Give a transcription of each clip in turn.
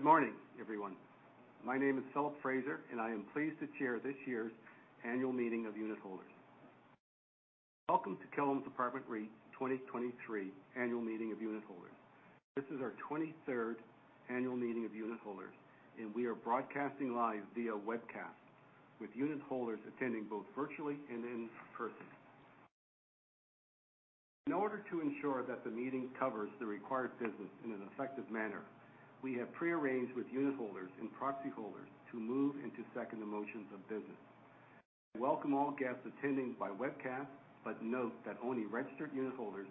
Good morning, everyone. My name is Philip Fraser, and I am pleased to chair this year's annual meeting of unitholders. Welcome to Killam Apartment REIT 2023 Annual Meeting of Unitholders. This is our 23rd annual meeting of unitholders, and we are broadcasting live via webcast, with unitholders attending both virtually and in person. In order to ensure that the meeting covers the required business in an effective manner, we have pre-arranged with unitholders and proxyholders to move into second the motions of business. I welcome all guests attending by webcast, but note that only registered unitholders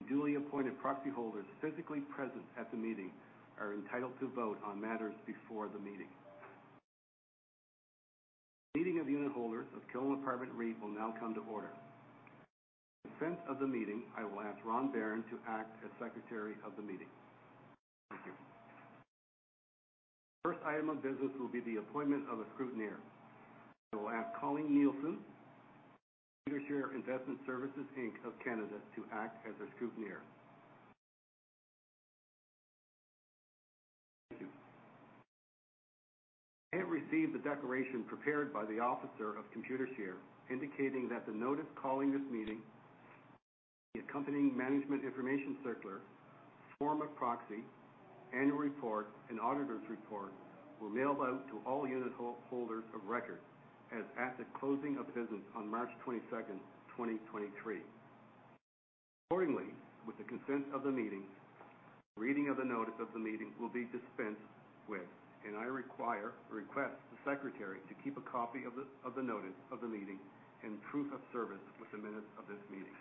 and duly appointed proxyholders physically present at the meeting are entitled to vote on matters before the meeting. The meeting of unitholders of Killam Apartment REIT will now come to order. With consent of the meeting, I will ask Ron Baron to act as Secretary of the meeting. Thank you. First item of business will be the appointment of a scrutineer. I will ask Colleen Nielsen, Computershare Investor Services Inc. of Canada, to act as a scrutineer. Thank you. I have received the declaration prepared by the officer of Computershare, indicating that the notice calling this meeting, the accompanying Management Information Circular, form of proxy, annual report, and auditor's report were mailed out to all unitholders of record as at the closing of business on March 22nd, 2023. Accordingly, with the consent of the meeting, reading of the notice of the meeting will be dispensed with, and I require or request the secretary to keep a copy of the notice of the meeting and proof of service with the minutes of this meeting.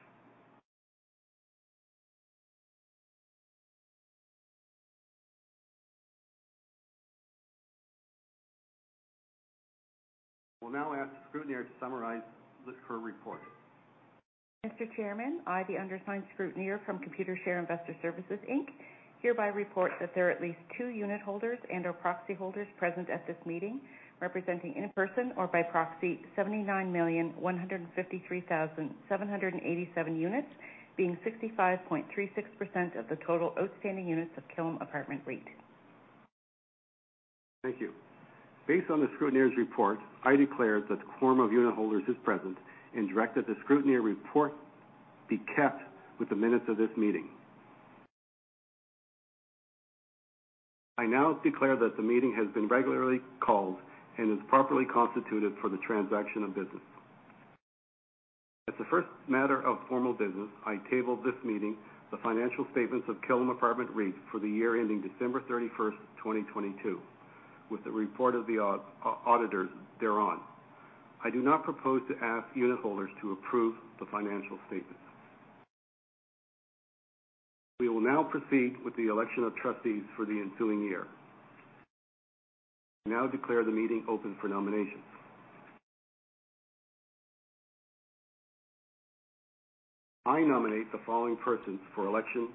I will now ask the scrutineer to summarize her report. Mr. Chairman, I, the undersigned scrutineer from Computershare Investor Services Inc., hereby report that there are at least two unitholders and/or proxyholders present at this meeting, representing in person or by proxy 79,153,787 units, being 65.36% of the total outstanding units of Killam Apartment REIT. Thank you. Based on the scrutineer's report, I declare that the quorum of unitholders is present and direct that the scrutineer report be kept with the minutes of this meeting. I now declare that the meeting has been regularly called and is properly constituted for the transaction of business. As the first matter of formal business, I table this meeting the financial statements of Killam Apartment REIT for the year ending December 31st, 2022, with the report of the auditors thereon. I do not propose to ask unitholders to approve the financial statements. We will now proceed with the election of trustees for the ensuing year. I now declare the meeting open for nominations. I nominate the following persons for election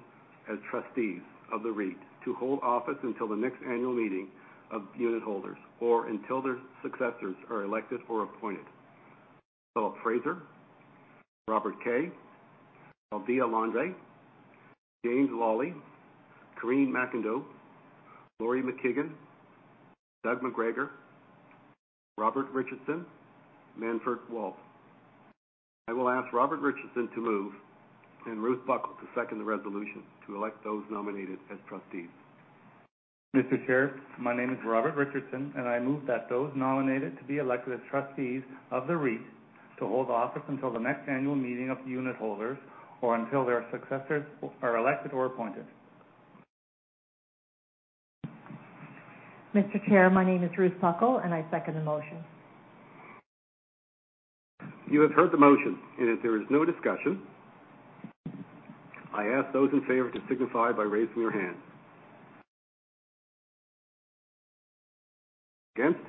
as trustees of the REIT to hold office until the next annual meeting of unitholders or until their successors are elected or appointed. Philip Fraser, Robert Kay, Aldéa Landry, James Lawley, Karine MacIndoe, Laurie MacKeigan, Doug McGregor, Robert Richardson, Manfred Walt. I will ask Robert Richardson to move and Ruth Buckle to second the resolution to elect those nominated as trustees. Mr. Chair, my name is Robert Richardson, and I move that those nominated to be elected as Trustees of the REIT to hold office until the next annual meeting of unitholders or until their successors are elected or appointed. Mr. Chair, my name is Ruth Buckle, and I second the motion. You have heard the motion. If there is no discussion, I ask those in favor to signify by raising their hands. Against?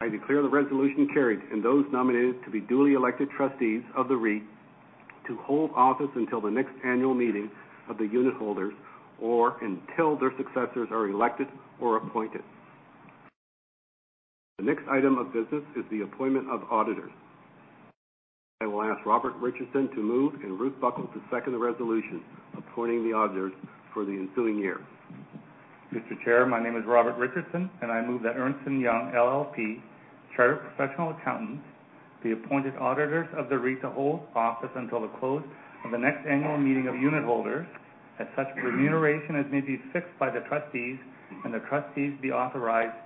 I declare the resolution carried and those nominated to be duly elected trustees of the REIT to hold office until the next annual meeting of the unitholders or until their successors are elected or appointed. The next item of business is the appointment of auditors. I will ask Robert Richardson to move and Ruth Buckle to second the resolution appointing the auditors for the ensuing year. Mr. Chair, my name is Robert Richardson. I move that Ernst & Young LLP, Chartered Professional Accountants, be appointed auditors of the REIT to hold office until the close of the next annual meeting of unitholders, at such remuneration as may be fixed by the trustees and the trustees be authorized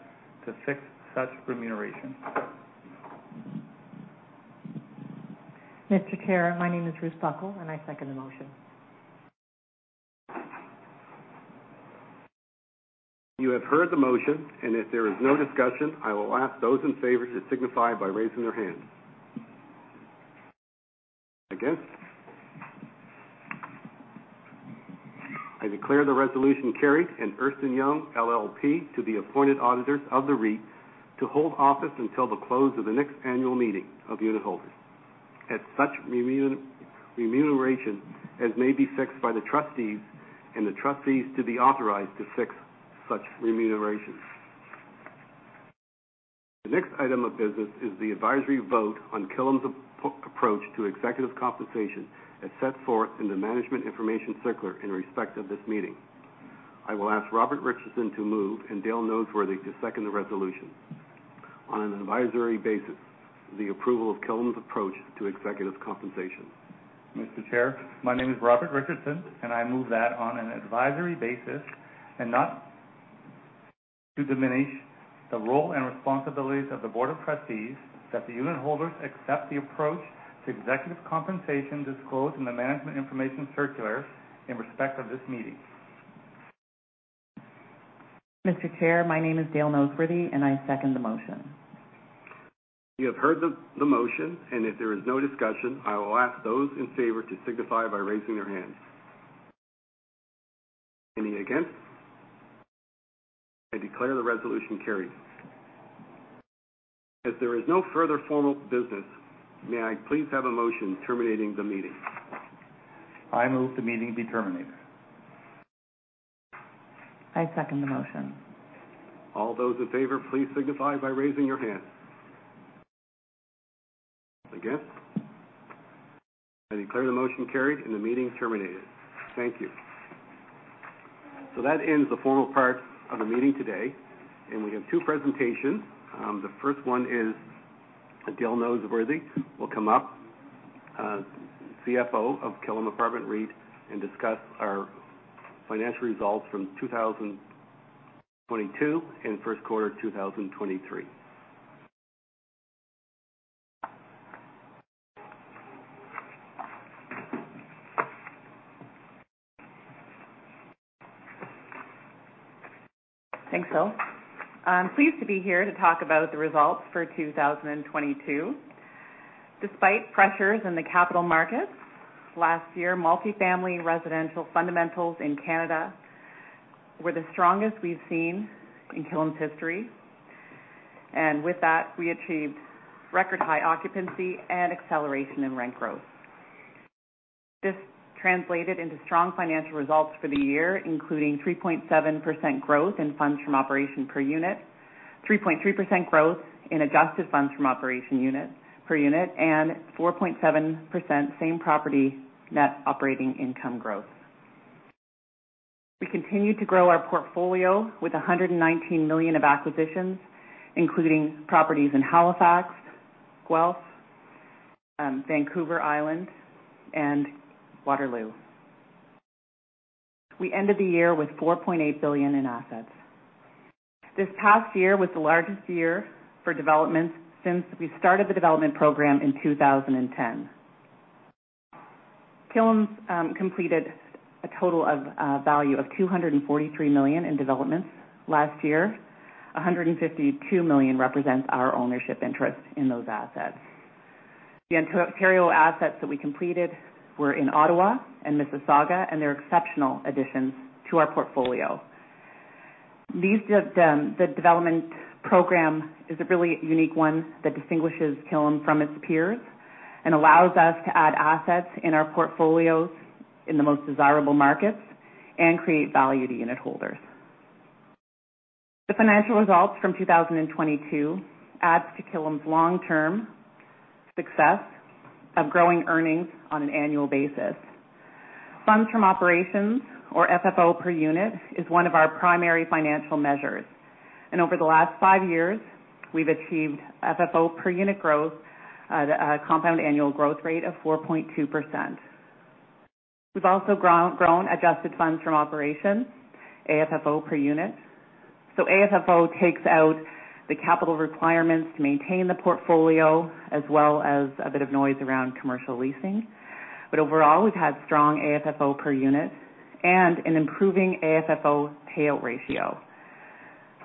to fix such remuneration. Mr. Chair, my name is Ruth Buckle, and I second the motion. You have heard the motion, and if there is no discussion, I will ask those in favor to signify by raising their hands. Against? I declare the resolution carried and Ernst & Young LLP to be appointed auditors of the REIT to hold office until the close of the next annual meeting of unitholders, at such remuneration as may be fixed by the trustees and the trustees to be authorized to fix such remunerations. The next item of business is the advisory vote on Killam's approach to executive compensation, as set forth in the Management Information Circular in respect of this meeting. I will ask Robert Richardson to move and Dale Noseworthy to second the resolution on an advisory basis, the approval of Killam's approach to executive compensation. Mr. Chair, my name is Robert Richardson, and I move that on an advisory basis and not to diminish the role and responsibilities of the Board of Trustees, that the unitholders accept the approach to executive compensation disclosed in the Management Information Circular in respect of this meeting. Mr. Chair, my name is Dale Noseworthy, and I second the motion. You have heard the motion, and if there is no discussion, I will ask those in favor to signify by raising their hands. Any against? I declare the resolution carried. If there is no further formal business, may I please have a motion terminating the meeting? I move the meeting be terminated. I second the motion. All those in favor, please signify by raising your hands, Against? I declare the motion carried and the meeting terminated. Thank you. That ends the formal part of the meeting today, and, we have two presentations. The first one is Dale Noseworthy will come up, CFO of Killam Apartment REIT, and discuss our financial results from 2022 and first quarter 2023. Thanks, Phil. I'm pleased to be here to talk about the results for 2022. Despite pressures in the capital markets, last year, multifamily residential fundamentals in Canada were the strongest we've seen in Killam's history. With that, we achieved record-high occupancy and acceleration in rent growth. This translated into strong financial results for the year, including 3.7% growth in funds from operation per unit, 3.3% growth in adjusted funds from operation unit per unit, and 4.7% same property net operating income growth. We continued to grow our portfolio with 119 million of acquisitions, including properties in Halifax, Guelph, Vancouver Island, and Waterloo. We ended the year with 4.8 billion in assets. This past year was the largest year for developments since we started the development program in 2010. Killam's completed a total value of 243 million in developments last year. 152 million represents our ownership interest in those assets. The Ontario assets that we completed were in Ottawa and Mississauga, and they're exceptional additions to our portfolio. The development program is a really unique one that distinguishes Killam from its peers and allows us to add assets in our portfolios in the most desirable markets and create value to unitholders. The financial results from 2022 adds to Killam's long-term success of growing earnings on an annual basis. Funds from operations, or FFO per unit, is one of our primary financial measures. Over the last five years, we've achieved FFO per unit growth at a compound annual growth rate of 4.2%. We've also grown adjusted funds from operations, AFFO per unit. AFFO takes out the capital requirements to maintain the portfolio as well as a bit of noise around commercial leasing. Overall, we've had strong AFFO per unit and an improving AFFO payout ratio,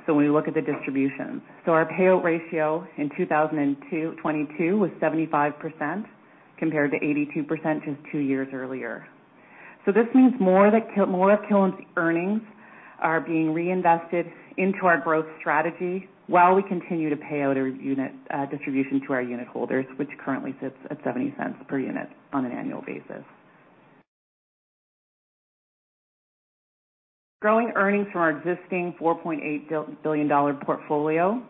so when we look at the distribution. Our payout ratio in 2022 was 75% compared to 82% just two years earlier. This means more of Killam's earnings are being reinvested into our growth strategy while we continue to pay out our unit distribution to our unitholders, which currently sits at 0.70 per unit on an annual basis. Growing earnings from our existing 4.8 billion-dollar portfolio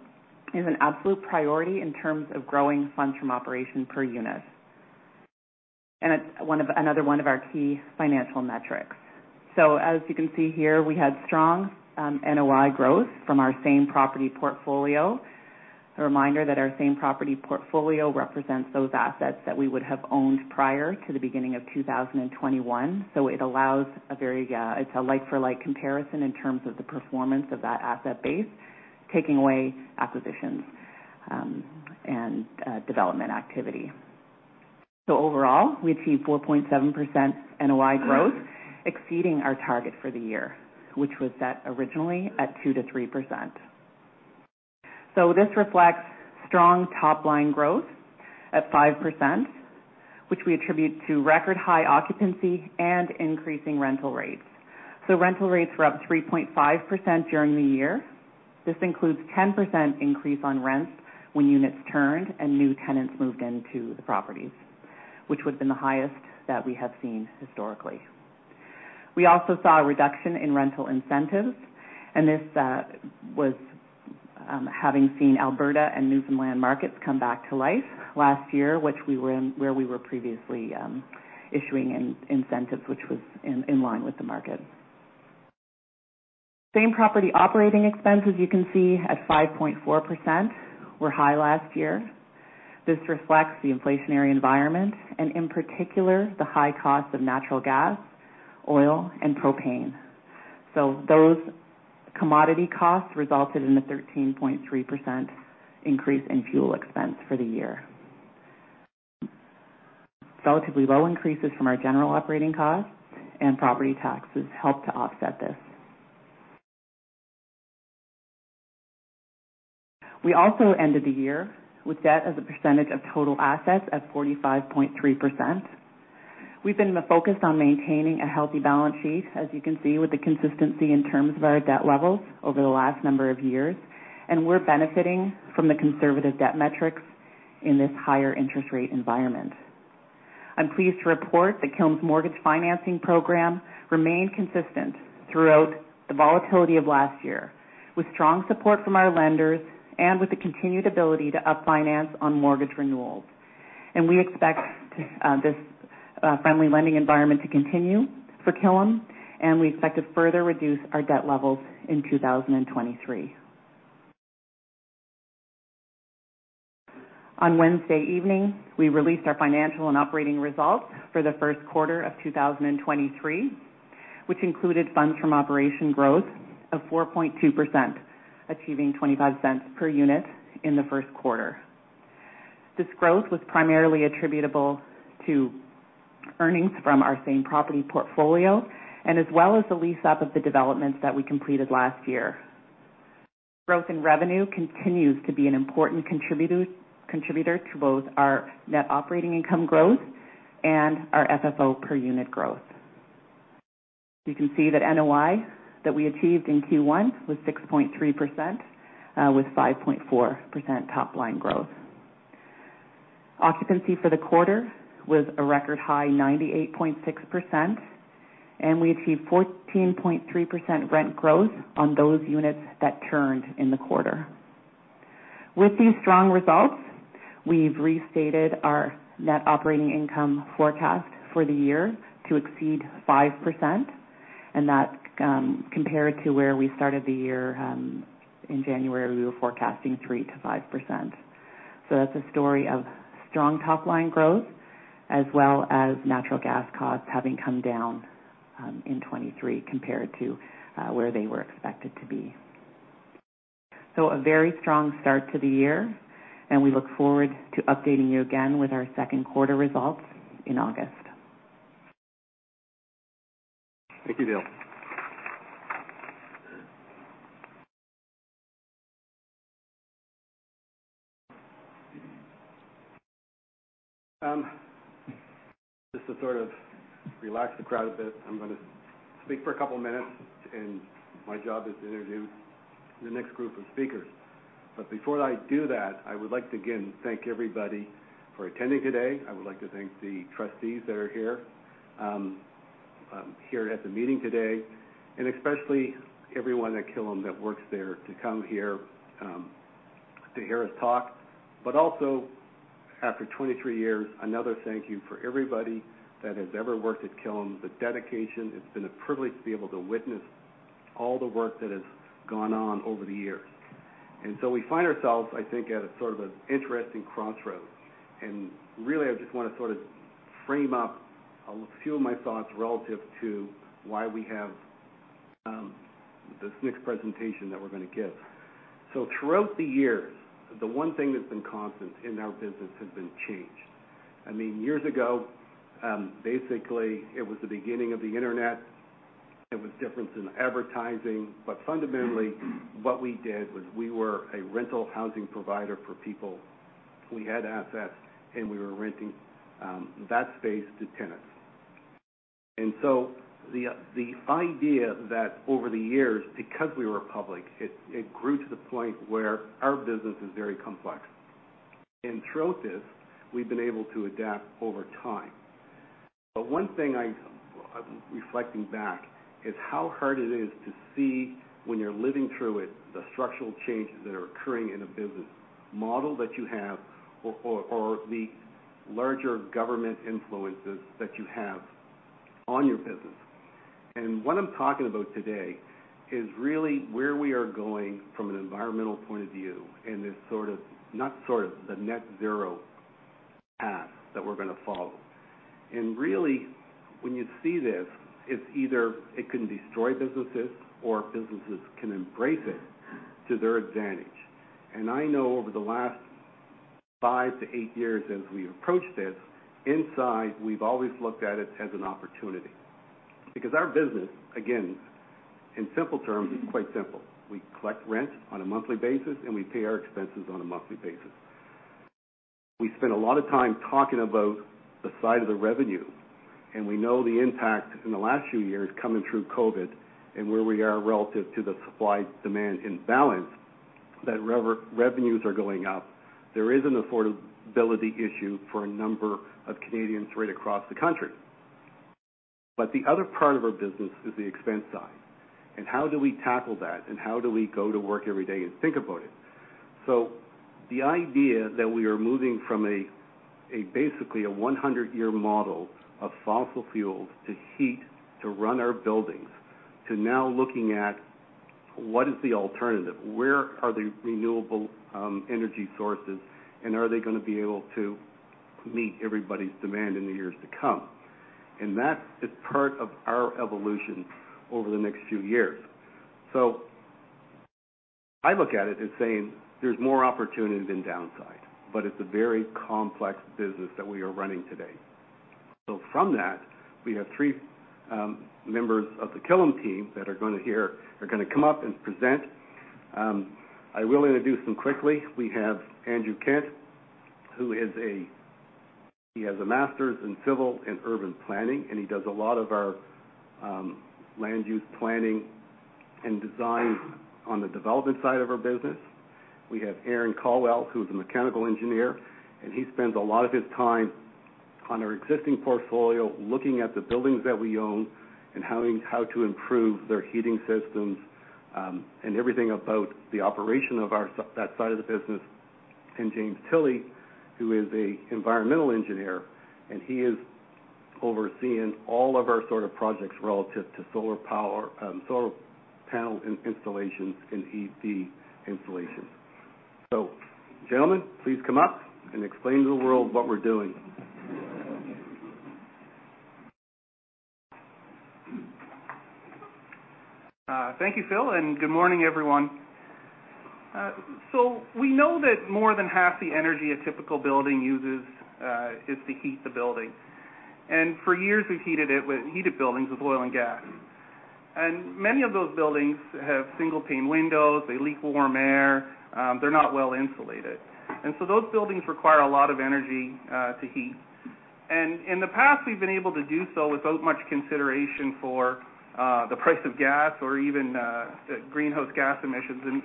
is an absolute priority in terms of growing funds from operation per unit. It's another one of our key financial metrics. As you can see here, we had strong NOI growth from our same property portfolio. A reminder that our same property portfolio represents those assets that we would have owned prior to the beginning of 2021. It allows a very, it's a like-for-like comparison in terms of the performance of that asset base, taking away acquisitions, and development activity. Overall, we achieved 4.7% NOI growth, exceeding our target for the year, which was set originally at 2%-3%. This reflects strong top-line growth at 5%, which we attribute to record-high occupancy and increasing rental rates. Rental rates were up 3.5% during the year. This includes 10% increase on rents when units turned and new tenants moved into the properties, which would've been the highest that we have seen historically. We also saw a reduction in rental incentives. This was having seen Alberta and Newfoundland markets come back to life last year, where we were previously issuing incentives, which was in line with the market. Same-property operating expenses, you can see at 5.4%, were high last year. This reflects the inflationary environment and, in particular, the high cost of natural gas, oil, and propane. Those commodity costs resulted in the 13.3% increase in fuel expense for the year. Relatively low increases from our general operating costs and property taxes helped to offset this. We also ended the year with debt as a percentage of total assets at 45.3%. We've been focused on maintaining a healthy balance sheet, as you can see, with the consistency in terms of our debt levels over the last number of years, and we're benefiting from the conservative debt metrics in this higher interest rate environment. I'm pleased to report that Killam's mortgage financing program remained consistent throughout the volatility of last year, with strong support from our lenders and with the continued ability to up finance on mortgage renewals. We expect this friendly lending environment to continue for Killam, and we expect to further reduce our debt levels in 2023. On Wednesday evening, we released our financial and operating results for the first quarter of 2023, which included funds from operation growth of 4.2%, achieving 0.25 per unit in the first quarter. This growth was primarily attributable to earnings from our same property portfolio and as well as the lease up of the developments that we completed last year. Growth in revenue continues to be an important contributor to both our net operating income growth and our FFO per unit growth. You can see that NOI that we achieved in Q1 was 6.3%, with 5.4% top line growth. Occupancy for the quarter was a record high 98.6%, and we achieved 14.3% rent growth on those units that turned in the quarter. With these strong results, we've restated our net operating income forecast for the year to exceed 5%. That's compared to where we started the year. In January, we were forecasting 3%-5%. That's a story of strong top line growth as well as natural gas costs having come down in 2023 compared to where they were expected to be. A very strong start to the year, and we look forward to updating you again with our second quarter results in August. Thank you, Dale. Just to sort of relax the crowd a bit, I'm gonna speak for a couple of minutes, my job is to introduce the next group of speakers. Before I do that, I would like to again thank everybody for attending today. I would like to thank the trustees that are here at the meeting today, especially everyone at Killam that works there to come here to hear us talk. Also, after 23 years, another thank you for everybody that has ever worked at Killam. The dedication, it's been a privilege to be able to witness all the work that has gone on over the years. We find ourselves, I think, at a sort of an interesting crossroads. Really, I just wanna sort of frame up a few of my thoughts relative to why we have this next presentation that we're gonna give. Throughout the years, the one thing that's been constant in our business has been change. I mean, years ago, basically, it was the beginning of the Internet. It was different in advertising. Fundamentally, what we did was we were a rental housing provider for people. We had assets, and we were renting that space to tenants. The idea that over the years, because we were public, it grew to the point where our business is very complex. Throughout this, we've been able to adapt over time. One thing I, reflecting back is how hard it is to see when you're living through it, the structural changes that are occurring in a business model that you have or the larger government influences that you have on your business. What I'm talking about today is really where we are going from an environmental point of view in the net zero path that we're gonna follow. Really, when you see this, it's either it can destroy businesses or businesses can embrace it to their advantage. I know over the last five to eight years as we approached this, inside, we've always looked at it as an opportunity. Our business, again, in simple terms, is quite simple. We collect rent on a monthly basis, and we pay our expenses on a monthly basis. We spend a lot of time talking about the side of the revenue, and we know the impact in the last few years coming through COVID and where we are relative to the supply-demand imbalance. That revenues are going up. There is an affordability issue for a number of Canadians right across the country. The other part of our business is the expense side, and how do we tackle that, and how do we go to work every day and think about it. The idea that we are moving from a basically a 100-year model of fossil fuels to heat to run our buildings to now looking at what is the alternative, where are the renewable energy sources, and are they gonna be able to meet everybody's demand in the years to come. That is part of our evolution over the next few years. I look at it as saying there's more opportunity than downside, it's a very complex business that we are running today. From that, we have three members of the Killam team that are gonna come up and present. I will introduce them quickly. We have Andrew Kent, who has a master's in Civil and Urban Planning, he does a lot of our land use planning and design on the development side of our business. We have Aaron Caldwell, who is a mechanical engineer, he spends a lot of his time on our existing portfolio, looking at the buildings that we own and how to improve their heating systems, everything about the operation of our that side of the business. James Tilley, who is a environmental engineer, and he is overseeing all of our sort of projects relative to solar power, solar panel installations and EV installations. Gentlemen, please come up and explain to the world what we're doing. Thank you, Phil, and good morning, everyone. We know that more than half the energy a typical building uses, is to heat the building. For years, we've heated buildings with oil and gas. Many of those buildings have single-pane windows, they leak warm air, they're not well insulated. Those buildings require a lot of energy to heat. In the past, we've been able to do so without much consideration for the price of gas or even the greenhouse gas emissions.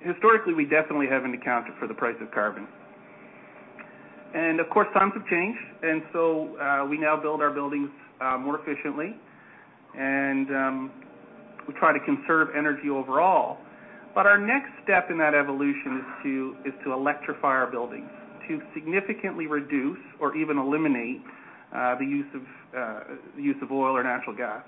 Historically, we definitely haven't accounted for the price of carbon. Of course, times have changed, and so, we now build our buildings more efficiently, and we try to conserve energy overall. Our next step in that evolution is to electrify our buildings to significantly reduce or even eliminate the use of oil or natural gas.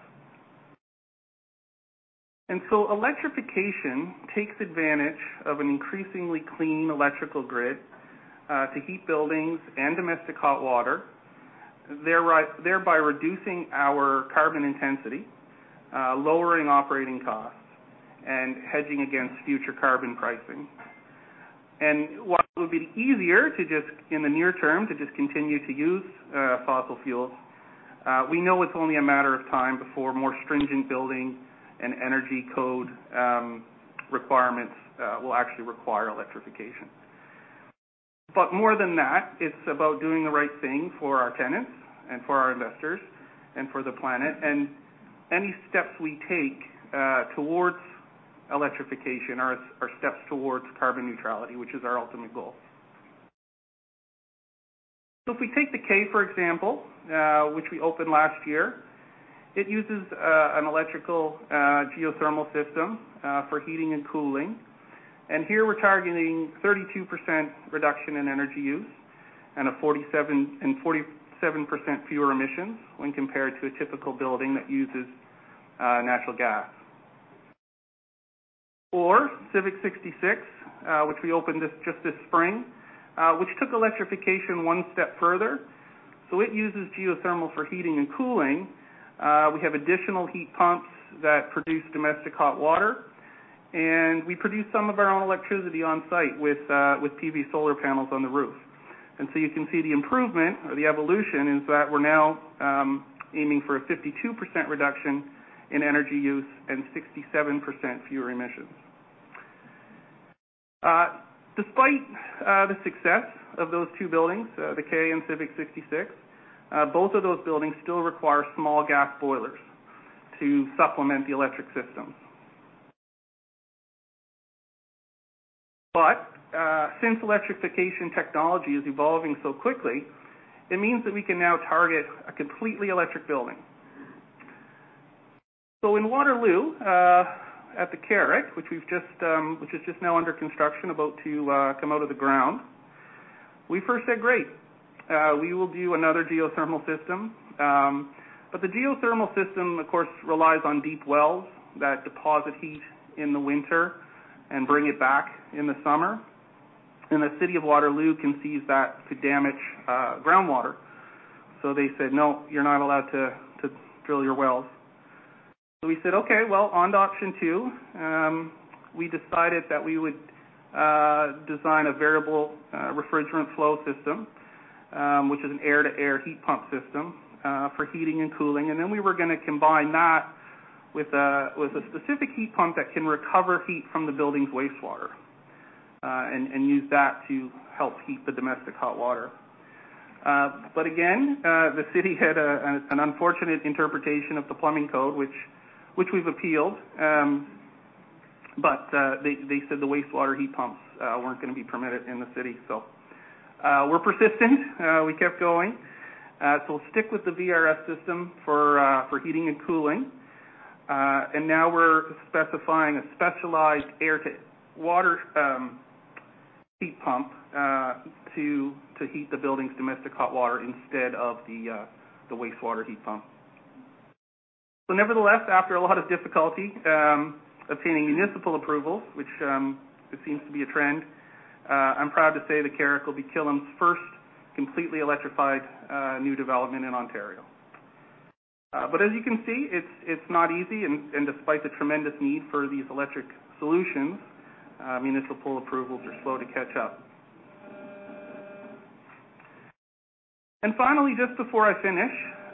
Electrification takes advantage of an increasingly clean electrical grid to heat buildings and domestic hot water, thereby reducing our carbon intensity, lowering operating costs, and hedging against future carbon pricing. While it would be easier to just, in the near term, to just continue to use fossil fuels, we know it's only a matter of time before more stringent building and energy code requirements will actually require electrification. More than that, it's about doing the right thing for our tenants, and for our investors and for the planet. Any steps we take towards electrification are steps towards carbon neutrality, which is our ultimate goal. If we take The Kay, for example, which we opened last year, it uses an electrical geothermal system for heating and cooling. Here, we're targeting 32% reduction in energy use and 47% fewer emissions when compared to a typical building that uses natural gas. Civic 66, which we opened just this spring, which took electrification one step further. It uses geothermal for heating and cooling. We have additional heat pumps that produce domestic hot water, and we produce some of our own electricity on-site with PV solar panels on the roof. You can see the improvement or the evolution is that we're now aiming for a 52% reduction in energy use and 67% fewer emissions. Despite the success of those two buildings, The Kay and Civic 66, both of those buildings still require small gas boilers to supplement the electric systems. Since electrification technology is evolving so quickly, it means that we can now target a completely electric building. In Waterloo, at The Carrick, which we've just, which is just now under construction about to come out of the ground, we first said, "Great, we will do another geothermal system." The geothermal system, of course, relies on deep wells that deposit heat in the winter and bring it back in the summer. The city of Waterloo can seize that to damage groundwater. They said, "No, you're not allowed to drill your wells." We said, "Okay, well, on to option two." We decided that we would design a variable refrigerant flow system, which is an air-to-air heat pump system for heating and cooling. We were gonna combine that with a specific heat pump that can recover heat from the building's wastewater and use that to help heat the domestic hot water. Again, the city had an unfortunate interpretation of the plumbing code, which we've appealed. They said the wastewater heat pumps weren't gonna be permitted in the city. We're persistent, we kept going. We'll stick with the VRF system for heating and cooling. Now we're specifying a specialized air-to-water heat pump to heat the building's domestic hot water instead of the wastewater heat pump. Nevertheless, after a lot of difficulty obtaining municipal approval, which it seems to be a trend, I'm proud to say that Carrick will be Killam's first completely electrified new development in Ontario. As you can see, it's not easy and despite the tremendous need for these electric solutions, municipal approvals are slow to catch up. Finally, just before I finish,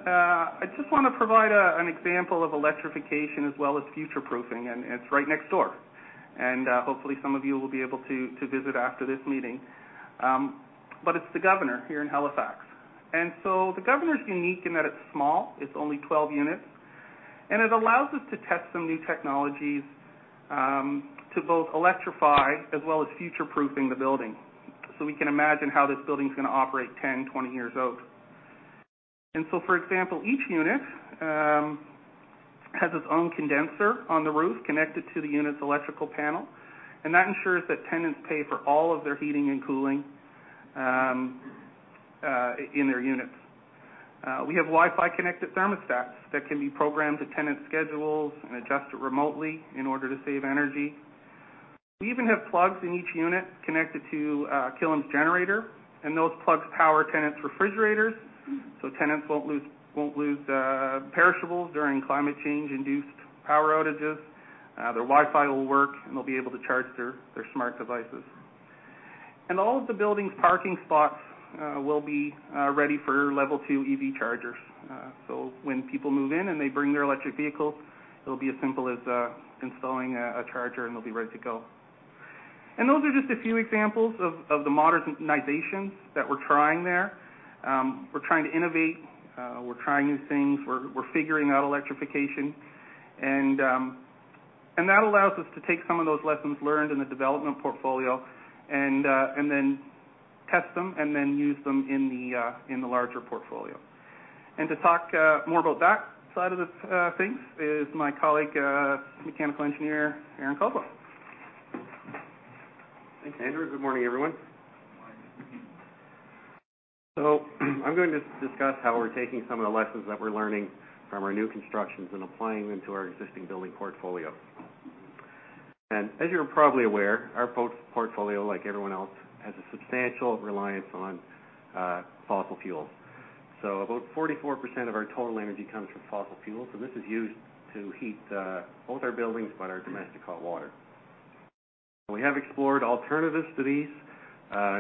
I just wanna provide an example of electrification as well as future-proofing, and it's right next door. Hopefully, some of you will be able to visit after this meeting. It's The Governor here in Halifax. The Governor is unique in that it's small, it's only 12 units. It allows us to test some new technologies to both electrify as well as future-proofing the building. We can imagine how this building's gonna operate 10, 20 years out. For example, each unit has its own condenser on the roof connected to the unit's electrical panel, and that ensures that tenants pay for all of their heating and cooling in their units. We have Wi-Fi connected thermostats that can be programmed to tenant schedules and adjusted remotely in order to save energy. We even have plugs in each unit connected to Killam's generator, and those plugs power tenants' refrigerators, so tenants won't lose perishables during climate change-induced power outages. Their Wi-Fi will work, they'll be able to charge their smart devices. All of the building's parking spots will be ready for level two EV chargers. When people move in and they bring their electric vehicle, it'll be as simple as installing a charger, and they'll be ready to go. Those are just a few examples of the modernizations that we're trying there. We're trying to innovate, we're trying new things, we're figuring out electrification. That allows us to take some of those lessons learned in the development portfolio and then test them and then use them in the larger portfolio. To talk more about that side of the things is my colleague, mechanical engineer, Aaron Caldwell. Thanks, Andrew. Good morning, everyone? Good morning. I'm going to discuss how we're taking some of the lessons that we're learning from our new constructions and applying them to our existing building portfolio. As you're probably aware, our portfolio, like everyone else, has a substantial reliance on fossil fuels. About 44% of our total energy comes from fossil fuels, so this is used to heat both our buildings but our domestic hot water. We have explored alternatives to these,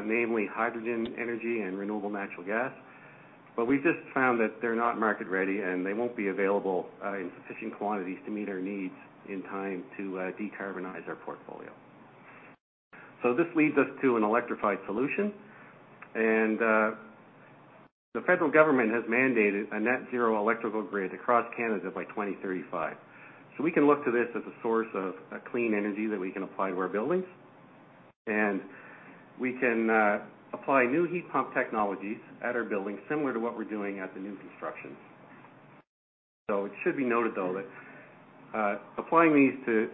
namely hydrogen energy and renewable natural gas. We've just found that they're not market ready, and they won't be available in sufficient quantities to meet our needs in time to decarbonize our portfolio. This leads us to an electrified solution, and the federal government has mandated a net zero electrical grid across Canada by 2035. We can look to this as a source of clean energy that we can apply to our buildings. We can apply new heat pump technologies at our buildings, similar to what we're doing at the new constructions. It should be noted, though, that applying these to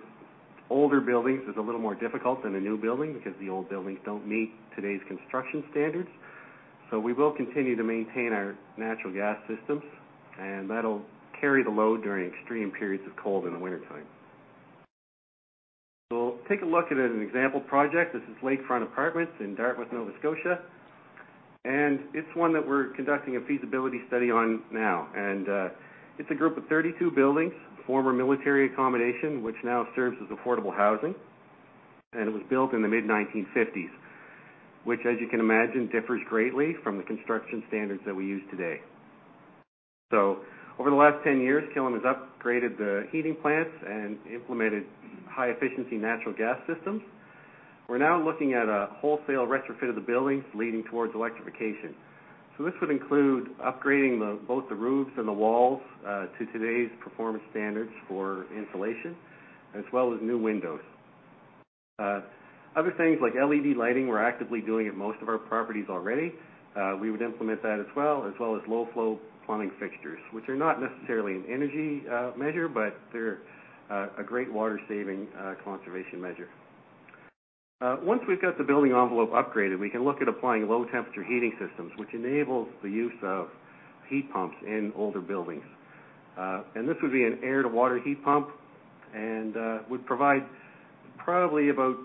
older buildings is a little more difficult than a new building because the old buildings don't meet today's construction standards. We will continue to maintain our natural gas systems, and that'll carry the load during extreme periods of cold in the wintertime. Take a look at an example project. This is Lakefront Apartments in Dartmouth, Nova Scotia. It's one that we're conducting a feasibility study on now. It's a group of 32 buildings, former military accommodation, which now serves as affordable housing. It was built in the mid-1950s, which, as you can imagine, differs greatly from the construction standards that we use today. Over the last 10 years, Killam has upgraded the heating plants and implemented high-efficiency natural gas systems. We're now looking at a wholesale retrofit of the buildings leading towards electrification. This would include upgrading both the roofs and the walls to today's performance standards for insulation, as well as new windows. Other things like LED lighting, we're actively doing at most of our properties already. We would implement that as well, as well as low-flow plumbing fixtures, which are not necessarily an energy measure, but they're a great water-saving conservation measure. Once we've got the building envelope upgraded, we can look at applying low-temperature heating systems, which enables the use of heat pumps in older buildings. This would be an air-to-water heat pump and would provide probably about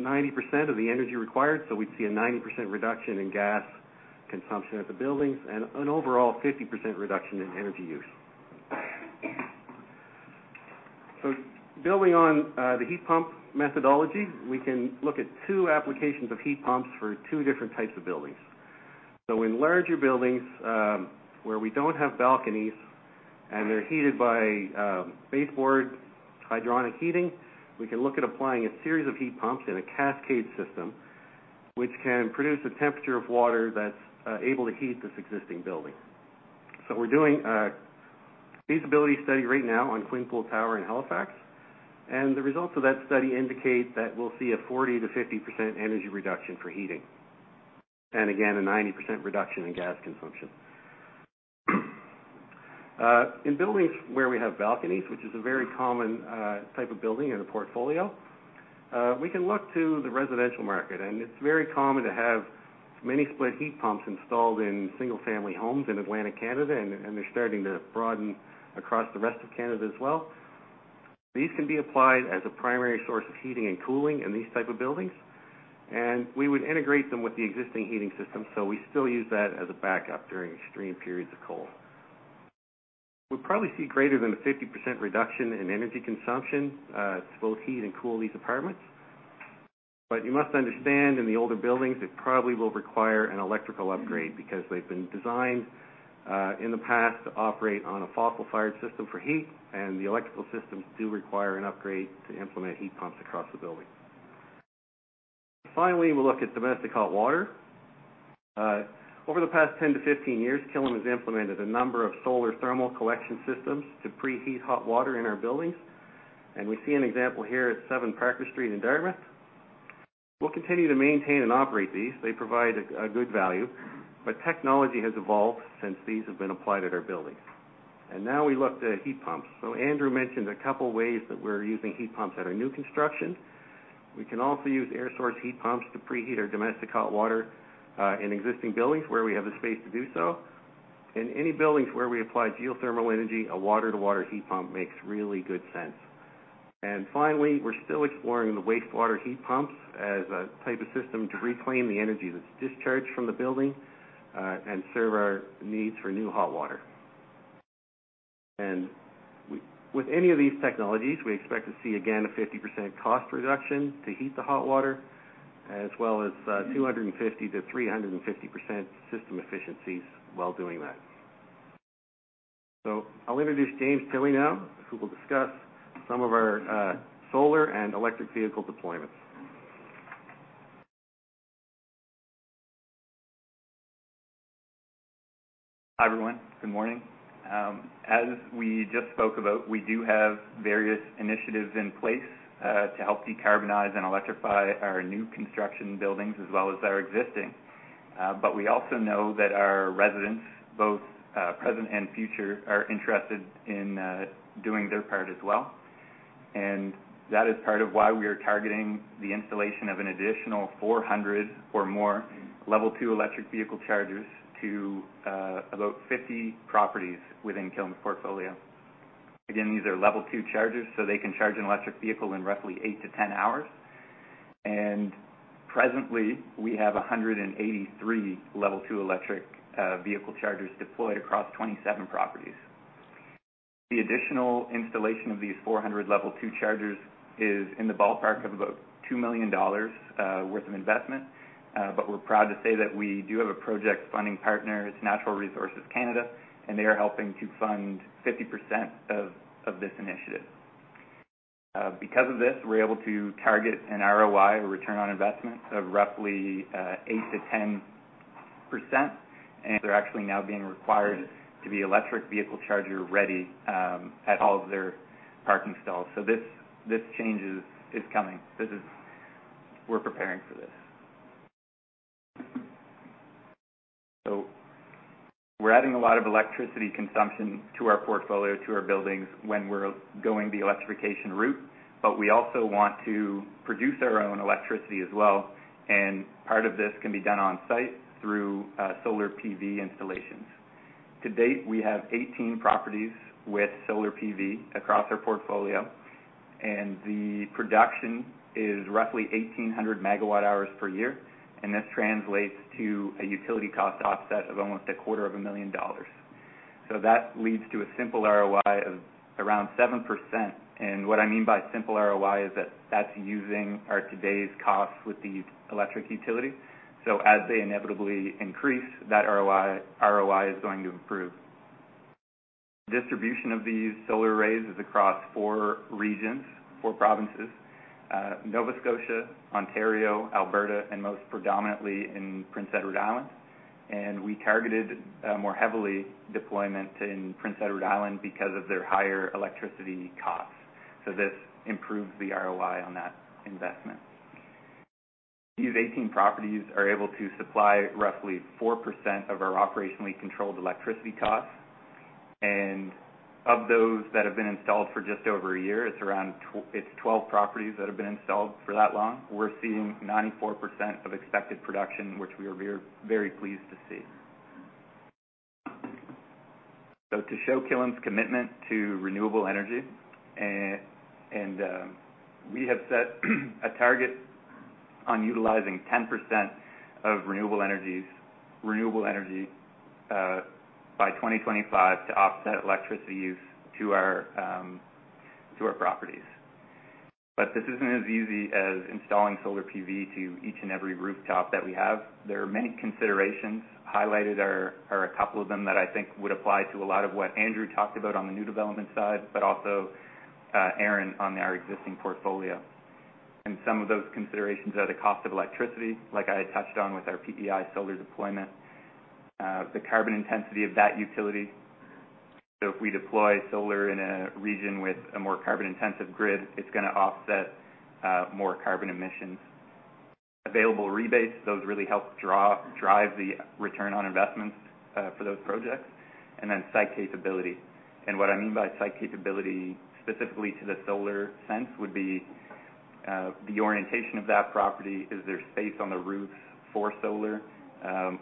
90% of the energy required, so we'd see a 90% reduction in gas consumption at the buildings and an overall 50% reduction in energy use. Building on the heat pump methodology, we can look at two applications of heat pumps for two different types of buildings. In larger buildings, where we don't have balconies. They're heated by baseboard hydronic heating. We can look at applying a series of heat pumps in a cascade system, which can produce a temperature of water that's able to heat this existing building. We're doing a feasibility study right now on Quinpool Tower in Halifax, and the results of that study indicate that we'll see a 40%-50% energy reduction for heating, and again, a 90% reduction in gas consumption. In buildings where we have balconies, which is a very common type of building in the portfolio, we can look to the residential market, and it's very common to have mini-split heat pumps installed in single-family homes in Atlantic Canada, and they're starting to broaden across the rest of Canada as well. These can be applied as a primary source of heating and cooling in these type of buildings, and we would integrate them with the existing heating system, so we still use that as a backup during extreme periods of cold. We'll probably see greater than a 50% reduction in energy consumption to both heat and cool these apartments. You must understand, in the older buildings, it probably will require an electrical upgrade because they've been designed in the past to operate on a fossil-fired system for heat, and the electrical systems do require an upgrade to implement heat pumps across the building. Finally, we'll look at domestic hot water. Over the past 10-15 years, Killam has implemented a number of solar thermal collection systems to preheat hot water in our buildings, and we see an example here at 7 Parker Street in Dartmouth. We'll continue to maintain and operate these. They provide a good value, but technology has evolved since these have been applied at our buildings. Now we look to heat pumps. Andrew mentioned a couple ways that we're using heat pumps at our new construction. We can also use air source heat pumps to preheat our domestic hot water in existing buildings where we have the space to do so. In any buildings where we apply geothermal energy, a water-to-water heat pump makes really good sense. Finally, we're still exploring the wastewater heat pumps as a type of system to reclaim the energy that's discharged from the building and serve our needs for new hot water. With any of these technologies, we expect to see, again, a 50% cost reduction to heat the hot water, as well as 250%-350% system efficiencies while doing that. I'll introduce James Tilley now, who will discuss some of our solar and electric vehicle deployments. Hi, everyone. Good morning? As we just spoke about, we do have various initiatives in place to help decarbonize and electrify our new construction buildings as well as our existing. We also know that our residents, both present and future, are interested in doing their part as well, and that is part of why we are targeting the installation of an additional 400 or more level two electric vehicle chargers to about 50 properties within Killam's portfolio. Again, these are level two chargers, they can charge an electric vehicle in roughly eight to 10 hours. Presently, we have 183 level two electric vehicle chargers deployed across 27 properties. The additional installation of these 400 level two chargers is in the ballpark of about 2 million dollars worth of investment. We're proud to say that we do have a project funding partner. It's Natural Resources Canada, and they are helping to fund 50% of this initiative. Because of this, we're able to target an ROI, return on investment, of roughly 8%-10%. They're actually now being required to be electric vehicle charger-ready at all of their parking stalls. This change is coming. We're preparing for this. We're adding a lot of electricity consumption to our portfolio, to our buildings, when we're going the electrification route, but we also want to produce our own electricity as well, and part of this can be done on site through solar PV installations. To date, we have 18 properties with solar PV across our portfolio, the production is roughly 1,800 megawatt hours per year, this translates to a utility cost offset of almost a quarter of a million dollars. That leads to a simple ROI of around 7%. What I mean by simple ROI is that that's using our today's costs with the electric utility. As they inevitably increase, that ROI is going to improve. Distribution of these solar arrays is across four regions, four provinces, Nova Scotia, Ontario, Alberta, and most predominantly in Prince Edward Island. We targeted more heavily deployment in Prince Edward Island because of their higher electricity costs. This improves the ROI on that investment. These 18 properties are able to supply roughly 4% of our operationally controlled electricity costs. Of those that have been installed for just over a year, it's 12 properties that have been installed for that long. We're seeing 94% of expected production, which we are very pleased to see. To show Killam's commitment to renewable energy, and we have set a target on utilizing 10% of renewable energy by 2025 to offset electricity use to our properties. This isn't as easy as installing solar PV to each and every rooftop that we have. There are many considerations. Highlighted are a couple of them that I think would apply to a lot of what Andrew talked about on the new development side, but also Aaron on our existing portfolio. Some of those considerations are the cost of electricity, like I had touched on with our PEI solar deployment, the carbon intensity of that utility. If we deploy solar in a region with a more carbon-intensive grid, it's gonna offset more carbon emissions. Available rebates, those really help drive the return on investment for those projects. Then site capability. What I mean by site capability, specifically to the solar sense, would be the orientation of that property. Is there space on the roofs for solar?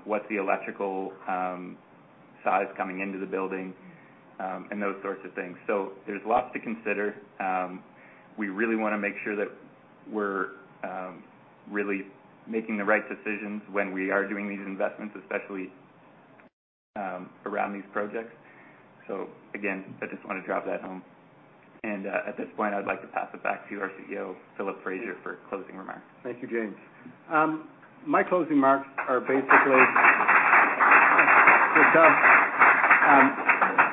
What's the electrical size coming into the building, and those sorts of things. There's lots to consider. We really wanna make sure that we're really making the right decisions when we are doing these investments, especially around these projects. Again, I just wanna drive that home. At this point, I would like to pass it back to our CEO, Philip Fraser, for closing remarks. Thank you, James. My closing remarks are basically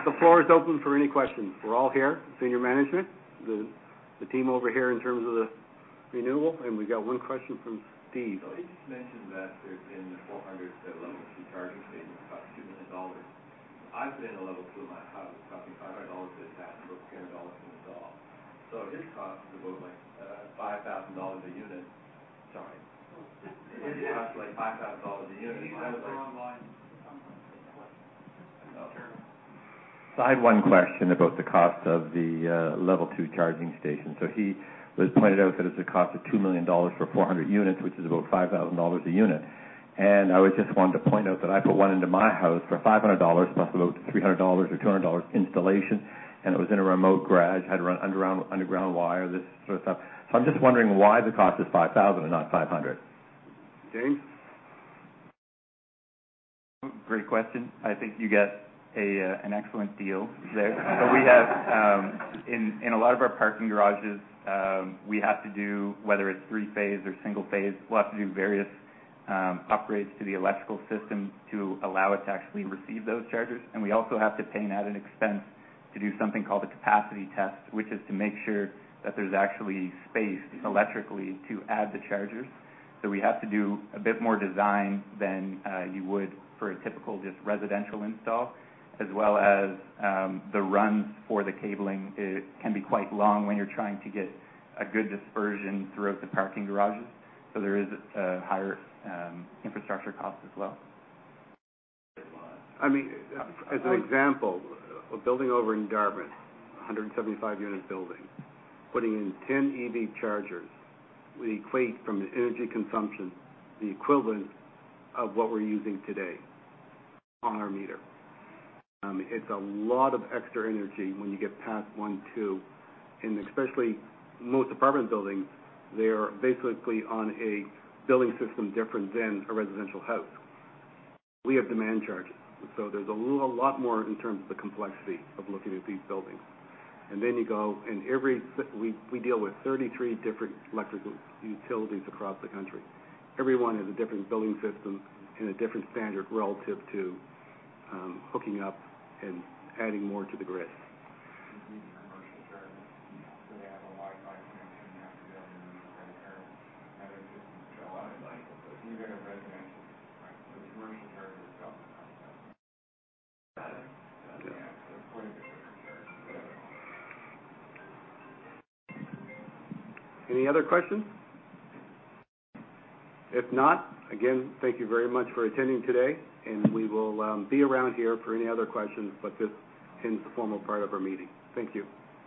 the floor is open for any questions. We're all here, senior management, the team over here in terms of the renewable, and we've got one question from Steve. You just mentioned that there's been 400 level two charging stations, about 2 million dollars. I've been a level two in my house, it cost me 500 dollars to attach, about 1,000 dollars from the saw. It costs about, like, 5,000 dollars a unit. Sorry. It costs, like, 5,000 dollars a unit. He's on the wrong line. I had one question about the cost of the level two charging station. He was pointed out that it's a cost of 2 million dollars for 400 units, which is about 5,000 dollars a unit. I was just wanting to point out that I put one into my house for 500 dollars, plus about 300 dollars or 200 dollars installation, and it was in a remote garage. Had to run underground wire, this sort of stuff. I'm just wondering why the cost is 5,000 and not 500. James? Great question. I think you get an excellent deal there. We have in a lot of our parking garages, we have to do, whether it's three-phase or single-phase, we'll have to do various upgrades to the electrical system to allow us to actually receive those chargers. We also have to pay an added expense to do something called a capacity test, which is to make sure that there's actually space electrically to add the chargers. We have to do a bit more design than you would for a typical just residential install, as well as the runs for the cabling. It can be quite long when you're trying to get a good dispersion throughout the parking garages. There is a higher infrastructure cost as well. I mean, as an example, a building over in Dartmouth, a 175 unit building, putting in 10 EV chargers will equate from the energy consumption, the equivalent of what we're using today on our meter. It's a lot of extra energy when you get past one, two, and especially most apartment buildings, they are basically on a billing system different than a residential house. We have demand charges, so there's a lot more in terms of the complexity of looking at these buildings. Then you go, We deal with 33 different electrical utilities across the country. Every one has a different billing system and a different standard relative to hooking up and adding more to the grid. Any other questions? If not, again, thank you very much for attending today, and we will be around here for any other questions, but this ends the formal part of our meeting. Thank you.